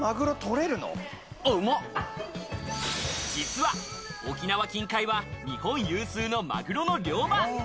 実は沖縄近海は、日本有数のマグロの漁場。